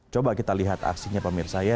coba kita lihat aksinya pemirsa ya